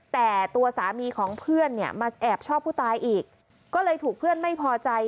แต่ตัวสามีของเพื่อนเนี่ยมาแอบชอบผู้ตายอีกก็เลยถูกเพื่อนไม่พอใจ